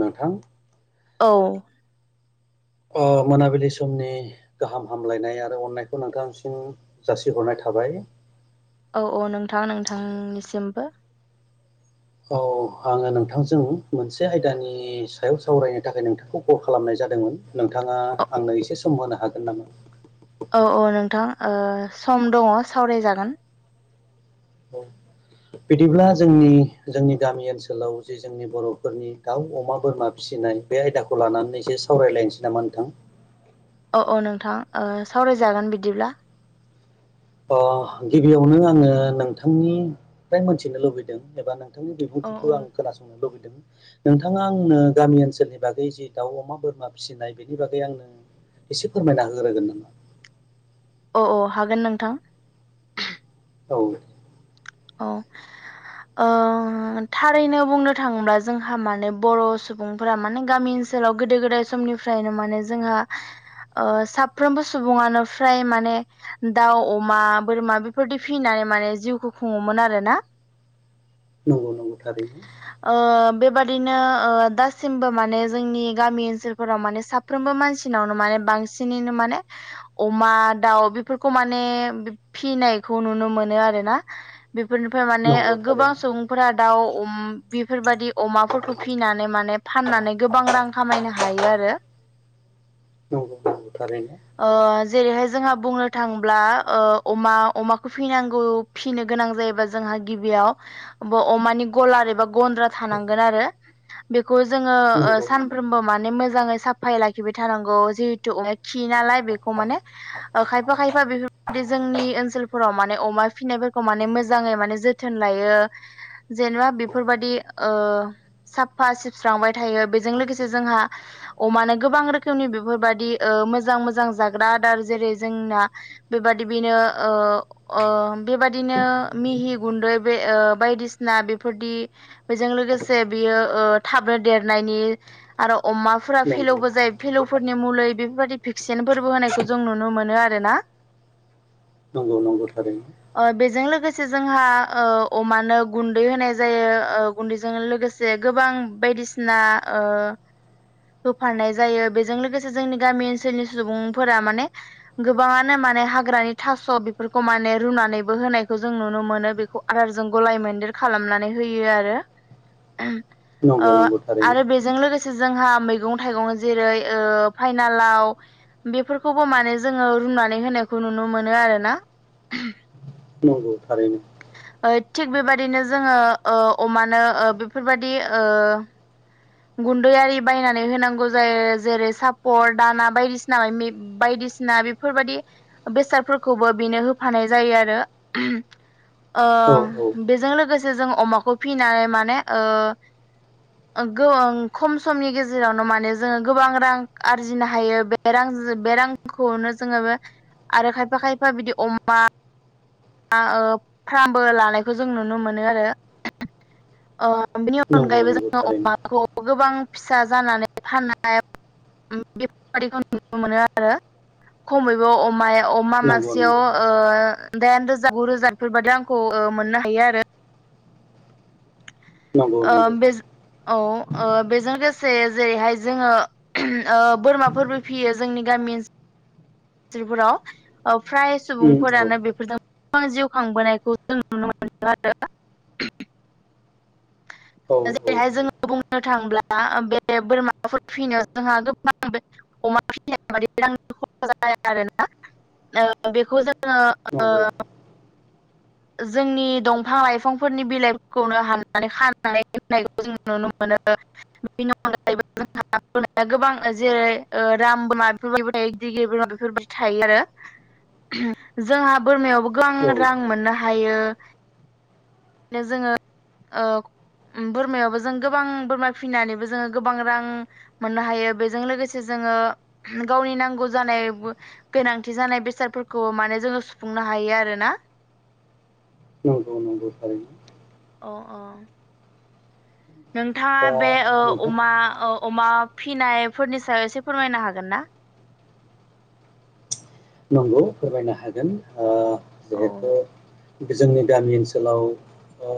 नोंथां। औं अ मोनाबिलि समनि गाहाम हामलायनाय आरो अननायखौ नोंथांसिम जासिहरनाय था थाबाय। औ औ नोंथां नोंथांनिसिमबो औ आङो नोंथांजों मोनसे आयदानि सायाव सावरायनो थाखाय नोंथांखौ कल खालामनाय जादोंमोन। नोंथाङा आंनो एसे सम होनो हागोन नामा? औ औ नोंथां ओ सम दङ सावरायजागोन। औ। बिदिब्ला जोंनि जोंनि गामि ओनसोलाव जे जोंनि बर'फोरनि दाव अमा बोरमा फिसि नाय बे आयदाखौ लानानै एसे सावरायलायनोसै नामा नोंथां? औ औ नोंथां सावरायजागोन बिदिब्ला। अ गिबियावनो आङो नोंथांनिफ्राय मोनथिनो लुबैदों एबा नोंथां। बिथांनि औ बिबुंथिखौ औ आं खोनासंनो लुबैद नोंथाङा आंनो गामि ओनसोलनि बागै जि दाउ अमा बोरमा फिसिनाय बेनि बागै आंनो एसे फोरमायना होग्रोगोन नामा?? अ औ हागोन नोंथां। औ। औ। ओ थारैनो बुंनो थाङोब्ला जोंहा माने बर' सुबुंफोरा माने गामि ओनस ओनसोलाव गोदो गोदाय समनिफ्रायनो माने जोंहा साफ्रोमबो सुबुङानो फ्राय माने दाउ अमा बोरमा बेफोरदि फिनानै माने जिउखौ खुङोमोन आरोना। नंगौ नंगौ थारैनो, बेबायदिनो दासिमबो माने जोंनि गामि ओनसोलफोराव माने साफ्रोमबो मानसिनावनो माने बांसिनैनो माने अमा दाउ बेफोरखौ माने फिसिनायखौ नुनो मोनो। आरो ना बेफोरनिफ्राय माने नंगौ गोबां थारैनो सुबुंफोरा दाउ बेफोरबायादि अमाफोरखौ फिनानै माने फाननानै गोबां रां खामायनो हायो आरो नंगौ नंगौ थारैनो, ! ओ जेरैहाय जोंहा बुंनो थाङब्ला अमाखौ फिनांगौ फिसिनो गोनां जायोबा जोंहा गिबियाव अमानि गलार एबा गन्द्रा थानांगोन आरो [inaudible] खौ जोङो नंगौ नंगौ सानफ्रोमबो माने मोजाङै साफायै लाखिबाय थानांगौ जिहेतु अ खि नालाय बेखौ माने खायफा खायफा बेफोरबायदि जोंनि ओनसोलफोराव माने अमा फिसिनाय खौ माने मोजाङै माने जोथोन लायो जेनेबा बेफोरबायदिओ साफा सिबस्रांबाय थायो बेजों लोगोसे जोंहा अमानो गोबां रोखोमनि बेफोरबायदि ओ मोजां मोजां जाग्रा आदार जेरै जोंना बेबादि बेनो बेबायदि ओ बिदिनो मिहि गुन्दै बे बायदिसिना बेफोरदि बेजों लोगोसे बियो थाबनो देरनायनि आरो अमाफोरा फेलौबो जायो फेलौफोरनि मलै बेफोरबायदि फिक्सेन फोरबो होनायखौ जों नुनो मोनो आरो ना नंगौ नंगौ थारैनो, बेजों लोगोसे जोंहा अमानो गुन्दै होनाय जायो गुन्दैजों लोगोसे गोबां बायदिसिना होफाननाय जायो बेजों लोगोसे जोंनि गामि ओनसोलनि सुबुंफोरा माने गोबाङानो मा माने हाग्रानि थास' बेफोरखौ माने रुनानै होनायखौ जों नुनो मोनो बेखौ आदारजों गलाय मोनन्देर खालामनानै होयो आरो। ओ नंगौ नंगौ थारैनो आरो बेजों लोगोसे जोंहा मैगं थाइगं जेरै फाइनालाव बेफोरखौबो माने जोङो रुमनानै होनायखौ नुनो मोनो आरोना। नंगौ थारैनो, थिग बेबायदिनो जोङो अमानो बेफोरबायदि ओ गुन्दैयि बायनानै होनांगौ जायो जेरै सापर दाना बायदिसिना बायदि बायदिसिना बेफोरबायदि बेसादफोरखौबो बेनो होफानाय जायो आरो। ओ औ औ बेजों लोगोसे जों अमाखौ फिनानै माने ओ खम समनि गेजेरावनो माने जोङो गोबां रां आरजिनो हायो बे रां खौनो जोङोबो आरो खायफा खायफा बिदि अमा फार्मबो लानायखौ जों नुनो मोनो आरो बेनि नंगौ अनगायैबो नंगौ जोङो थारैनो अमाखौ गोबां फिसा जानानै फाननाय बेफोरबायदिखौ नुनो मोनो आरो खमैबो अमाया अमा नंगौ मासिायाव नंगौ ओ दाइन रोजा रोजागु रोजाफोर बादि आंखौ मोननो हायो आरो नंगौ ओ नंगौ, ! बे औ, ओ बेजों लोगोसे जेरैहाय जोङो ओ बोरमाफोरबो फियो जोंनि गामि ओनसोल जिफोराव फ्राय उम औ सुबुंफोरानो बेफोरजों गोबां जिउ खांबोनायखौ जों नुनो मोनदों आरो ।खम औ औ जेरैहाय जोङो बुंनो थांब्ला, दा बे बोरमाफोर फिसिनो जोंहा गोबां अमा फिसिनायाबां जाया आरोना ओ बेखौ नंगौ जोङोओ जोंनि दंफां लाइफांफोरनि बिलाइफोरखौनो हाननानै खानानै दोननायखौ जों नुनो मोनो। बेनि अनगायैबो जोंहा बोरमाया गोबां जेरै ओ राम बोरमा बेफोरबायदि थायो। दिगि बोरमा बेफोरबायदि थायो आरो। जोंहा बोरमायावबो औ गोबां रां औ मोननो हायो। बिनो जोङो ओव उम बोरमायावबो जों गोबां बोरमा फिसिनानैबो जोङो गोबां रां मोननो हायो बेजों लोगोसे जो ङो गावनि नांगौ जानायबो गोनांथि जानाय बेसादफोरखौ माने जोङो सुफुंनो हा यो आरोना। नंगौ नंगौ थारैनो। अ अ। नोंथाङा दा बे औ नोंथां अमा औ अमा फिनाय फोरनि सायाव एसे फोरमायनो हागोन ना? नंगौ फोरमायनो हागोन, ओ औ जिहेथु जोंनि गामि ओनसोलाव ओ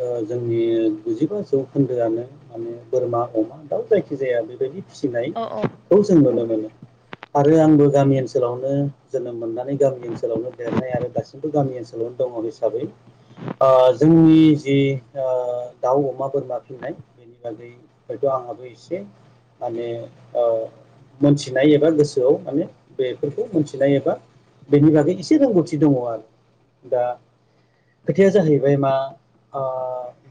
ओ जोंनि गुजिबा जौखोन्दोआनो माने बोरमा अमा दाउ जायखि जाया बेबायदि फिनाय औ औ खौ जों नुनो मोनो आरो आंबो गामि ओनसोलावनो जोनोम मोनना नै गामि ओनसोलावनो देरनाय आरो दासिमबो गामि ओनसोलावनो दङ हिसाबै ओ जोंनि जि ओ दाउ अमा बोरमा फिननाय बादै हयथ' आंहाबो एसे माने ओ मोनथिनाय एबा गोसोआव माने बे फोरखौ मोनथिनाय एबा बेनि बागै एसे रोंगौथि दङ आरो। दा खोथाया जाहैबाय मा ओ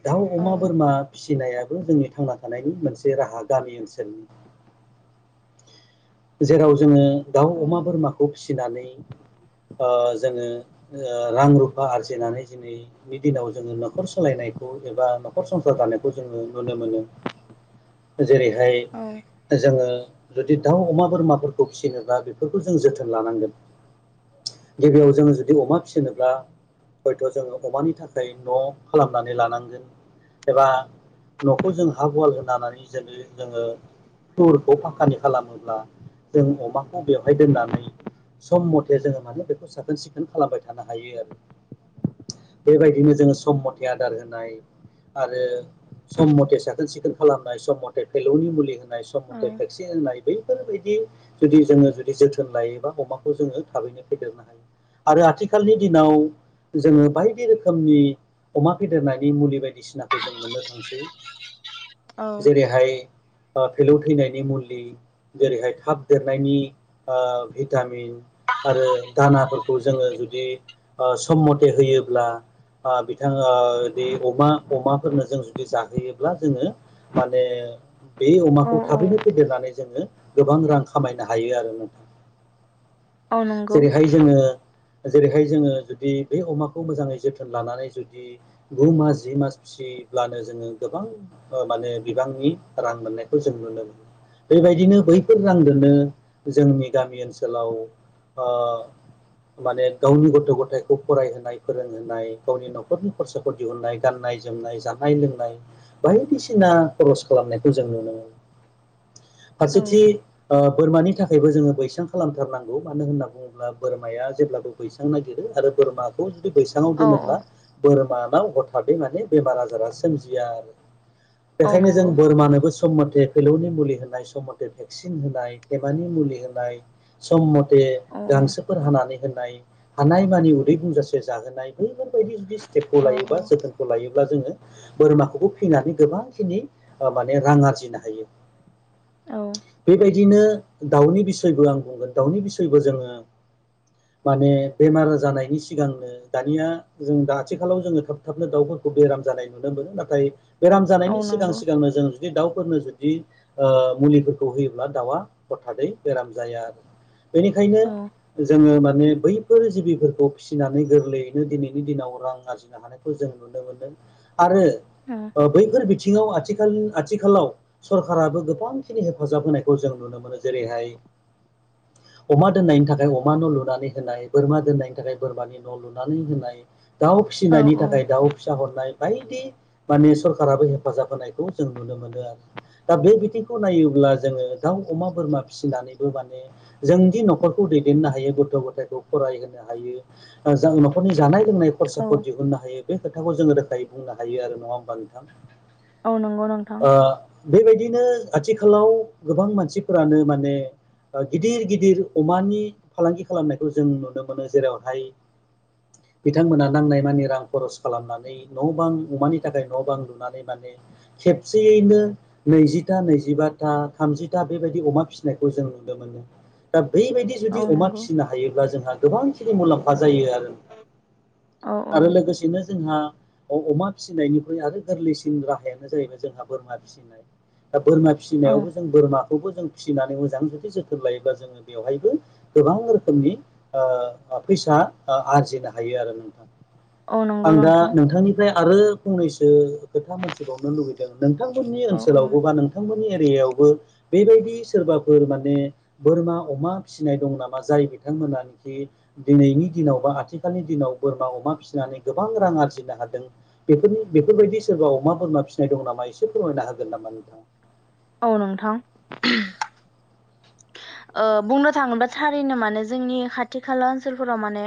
दाउ औ अमा बोरमा फिसिनाया बो जोंनि थांना थानायनि मोनसे राहा गामि ओनसोलनि। जेराव जोङो दाउ अमा बोरमाखौ फिसिनानै ओ जोङो ओ रां रुफा आरजिनानै दिनैनि दिनाव जोङो न' खर सालायनायखौ एबा नखर संसार जानायखौ जोङो नुनो मोनो। जेरैहाय औ जोङो जुदि दाउ अमा बोरमाफोरखौ फिसिनोब्ला बेफोरखौ जों जोथोन लानांगोन। गिबियाव जोङो जुदि अमा फिसिनोब्ला हयथ' जोङो अमानि थाखाय न' खालामनानै लानांगोन एबा न'खौ जों हा गुवाल होनानै जोङो जोङो फ्लरखौ फाखकानि खालामोब्ला जों अमाखौ बेवहाय दोननानै सम मथे जोङो माने बेखौ साखोन सिखोन खालामबाय थानो हायो आरो। बेबायदिनो जोङो सम मथे आदार होनाय आरो सम मथे साखोन सिखोन खालामनाय सम मथे फेलौनि मुलि होनाय सम मथे भेक्सिन होनाय बैफोरबायदि जुदि जोङो जुदि जोथोन लायोबा अमाखौ जोङो थाबैनो फेदेरनो हायो‌ आरो आथिखालनि दिनाव जोङो बायदि रोखोमनि अमा फेदेरनायनि मुलि बायदिसिनाखौ जों मोननो थांसै। औ जेरैहाय फा फेलौ थैनायनि मुलि जेरैहाय थाब देरनायनि ओ भिटामिन आरो दानाफोरखौ जोंङो जुदि ओ सम मथे होयोब्ला ओ बिथांङा दि अमा अमाफोरनो जों जुदि जाहोयोब्ला जोंङो माने बे औ अमाखौ औ थाबैनो फेदेरनानै जोंङो गोबां रां खामायनो हायो आरो नोंथां‌। औ नंगौ जेरैहाय जोंङो जेरैहाय जोंङो जुदि बे अमाखौ मोजांङै जोथोन लानानै जुदि गु मास जि मास फि सि ब्लानो जोंङो गोबां ओ माने बिबांनि रां मोननायखौ जों नुनो मोनो। बेबायदिनो बैफोर रांजोंनो जोंनि गामि ओनसोलाव ओ। माने गावनि गथ' गथायखौ फरायहोनाय फोरोंहोनाय गावनि न'खरनि खरसाफोर दिहुननाय गाननाय गाननाय जोमनाय जानाय लोंनाय बायदिसिना खरस खालामनायखौ जों नुनो मोनो। औ फारसेथि बोरमानि थाखायबो जोंङो बैसां खालामथारनांगौ मानो होननानै बुंङोब्ला बोरमाया जेब्लाबो बैसां नागिरो आरो बोरमाखौ जुदि बैसांङाव औ दोनोब्ला औ बोरमा हथारै माने बेराम आजारा सोमजिया आरो। औ ओंखायनो जों नंगौ बोरमानो सम मथे फलौनि मुलि होनाय सम मथे भेक्सिन होनाय थेबानि मुलि होनाय सम मथे औ गांसोफोर हानानै होनाय हानाय मानि उदै गुजासे जाहोनाय बैफोर [unintelligible] औ औ [unintelligible] जोंङो बोरमाखौबो फैनानै गोबांखिनि माने रां आरजिनो हायो। औ बेबायदिनो दाउनि बिसयबो आं बुंगोन दाउनि बिसयबो जोंङो [inaudible] [inaudible] माने बेमार जानायनि सिगांनो दानिया जों दा आथिखालाव जोंङो थाब थाबनो दाउफोरखौ बेराम जानाय नुदोंबो नाथाय बेराम जानायनि औ सिगां नंगौ सिगांनो जों दाउफोरनो जुदि मुलिफोरखौ होयोब्ला दाउआ हथादै बेराम जाया आरो। बेनिखायनो औ जोंङो माने बैफोर जिबिफोरखौ फिसिनानै गोरलैयैनो दिनैनि दिनाव रां आरजिनो हानायखौ जों नुनो मोनदों। आरो औ बैफोर बिथिङाव आथिखाल आथिखालाव सरखाराबो गोबांखिनि हेफाजाब होनायखौ जों नुनो मोनो। जेरैहाय अमा दोननायनि थाख अमा न' लुनानै होनाय बोरमा दोननायनि थाखाय बोरमानि न' लुनानै होनाय दाउ औ फिसिनायनि थाखाय दाउ फिसा हरनाय बायदि माने सरखाराबो हेफाजाब होनायखौ जों नुनो मोनो। आरो दा बे बिथिंखौ नायोब्ला जोंङो दाउ अमा बोरमा फिसिनानैबो माने जोंनि न'खर दैेदेननो हायो गथ' गथायखौ फरायहोनो हायो न'खरनि जानाय लोंनाय औ खरसाखौ दिहुननो हायो बे खोथाखौ जोंङो रोखायै बुंनो हायो आरो नंङा होमबा नोंथां। औ नंगौ नोंथां। ओ बेबायदिनो आथिखालाव गोबां मानसिफोरानो माने गिदिर गिदिर अमानि फालांगि खालामनायखौ जों नुनो मोनो। जेरावहाय बिथांमोना नांनाय मानि रां खरस खालामनानै न' बां अमानि थाखाय न' बां लुनानै माने खेबसेयैनो नैजिथा नैजिबाथा थामजिथा बेबायदि अमा फिसिनायखौ जों नुनो मोनो। दा बैबायदि जुदि औ अमा नंगौ फिसिनो हायोब्ला जोंहा गोबांखिनि मुलाम्फा जायो आरो। औ औ आरो लोगोसेनो जोंहा अमा फिसिनायनिख्रुइ आरो गोरलैसिन राहायानो जाहैबाय जोंहा बोरमा फिसिनाय दा बोरमा औ फिसिनायावबो जों बोरमाखौबो जों फिसिनानै मोजां जुदि जोथोन लायोबा जोंङो बेवहायबो गोबां रोखोमनि ओ फैसा आरजिनो हायो आरो नोंथां। औ नंगौ आं दा नोंथां नोंथांनिफ्राय आरो फंनैसो खोथा मोनथिबावनो लुुबैदों नोंथांमोननि औ औ ओनसोलावबो बा नोंथांमोन एरियायावबो बेबायदि सोरबाफोर माने बोरमा अमा फिसिनाय दं नामा जाय बिथांमोनखि दिनैनि दिनाव बा आथिखालनि दिनाव बोरमा अमा अमा फिसिनानै गोबां आरजिनो हादों बेफोरनि बेफोरबायदि सोरबा अमा बोरमा फिसिनाय दं नामा एसे फैना होगोन नामा नोंथाङा? औ नोंथां। [inaudible] ओ बुंनो थाङोबोबा थारैनो माने जोंनि खाथि खाला ओनसोलफोराव माने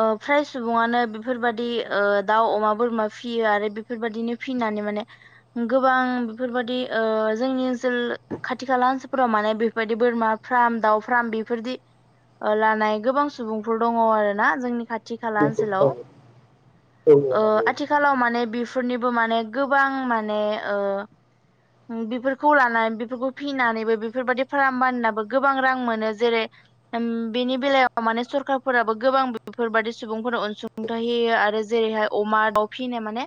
ओ फ्राय सुबङानो बेफोरबाददि ओ दाउ अमा बोरमा फिसियो आरो बेफोरबाददिनो फिनानै माने गोबां बेफोरबायादि ओ जोंनि ओनसोल खाथि खाला ओनसोलफोराव माने बे बेबायदि बोरमा फार्म दाउ फार्म बेफोरदि ओ लानाय गोबां सुबुंफोर दङ आरो ना जोंनि खाथि खाथि खाला ओनसोलाव आथिखालाव माने फोरनिबो माने गोबां माने औ बेफोरखौ लानानै बेफोरखौ फिनानैबो बेफोरबायादि फार्बाननाबो गोबां रां मोनो जेरै उम बेनि बेलायाव माने सरखारफोराबो गोबां बेफोरबादि सुबुंफोरनो अनसुंथाइ होयो आरो जेरैहाय अमा दाउ फिनो माने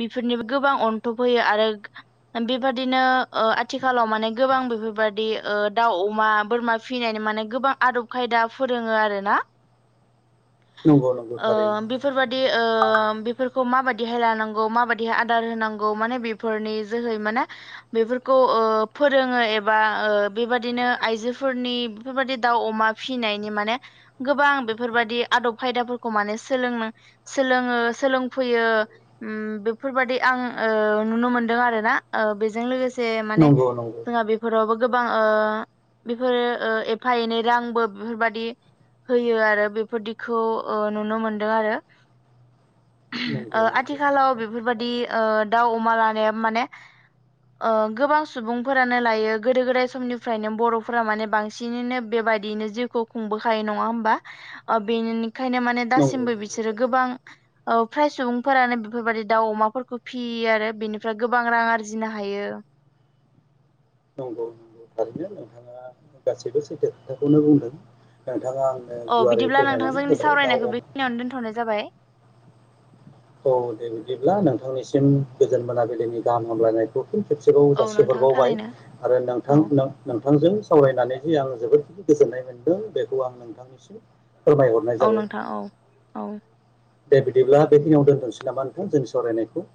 बेफोरनिबो गो गोबां अन्थब होयो आरो बेबादिनो आथिखालाव माने गोबां बेफोरबायादि ओ दाव अमा बोरमा फिनायनि माने गोबां आदब खायदा फोरोङो आरो ना। नामा नोंथाङा नंगौ औ नंगौ नंगौ ओ थारैनो बेफोरबादि ओ बेफोरखौ मा बायदिहाय लानांगौ मा बायदिहा आदार होनांगौ माने बेफोरनि जोहै माने बेफोर फोर ओ फोरोङो एबा ओ बेबायदिनो आइजोफोरनि बेफोरबायदि दाउ अमा फिनायनि माने गोबां बेफोरबायदि आदब खायदाफोरखौ माने सोलोंनो सोलोङो सोलोंफैयो ओम बेफोरबायदि आ उम ओ नुनो मोनदों आरोना ओ बेजों लोगोसे माने नंगौ नंगौ जोंहा बेफोरावबो गोबां ओ बेफोरो ओ एफा एनै रांबो बेफोरबादि होयो आरो बेफोरदिखौ नुनो मोनदों आरो। [unintelligible] ओ आथिखालाव बेफोरबादि ओ दाउ अमा लानाया माने ओ गोबां सुबुंफोरानो लायो गोदो गोदाय समनिफ्रायनो बर'फोरा माने बांसिनैनो बेबायाददियैनो जिउखौ खुंबोखायो नङा होमबा ओ बेनि ओंखायनो माने दासिमबो नंगौ बिसोरो गोबां ओ फ्राय सुबुंफोरानो बेफोरबादि दाउ अमाफोरखौ फियो आरो बेनिफ्राय गोबां रां आरजिनो हायो। [inaudible] नंगौ नंगौ थारैनो नोंथाङा गासैबो सैथो खोथाखौनो बुंदों। नोंथाङा आंनो ओ गुवारै बिदिब्ला नोंथां फोरमायनानै जोंनि होबाय दाउ सावरायनायखौ अमाखौ बेखिनियावनो दोनथ'नाय जाबाय [inaudible] औ दे बिदिब्ला नोंथांनिसिम गोजोन मोनाबिलिनि गाहाम हामलायनायखौ खेबसेबाव औ नोंथां जासिहरबावबाय थारैनो आरो औ नोंथां नोंथांजों खावरायनानै जे आं जोबोद गोजोननाय मोनदों बेखौ आं नोंथांनिसिम फोरमायहरनाय औ जाबाय नोंथां औ औ। दे बिदिब्ला बेखिनियाव दोनथसै नामा नोंथां जोंनि सावरायनायखौ